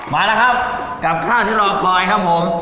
มาแล้วครับกับข้าวที่รอคอยครับผม